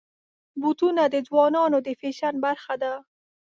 بوټونه د ځوانانو د فیشن برخه ده.